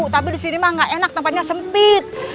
tapi disini mah gak enak tempatnya sempit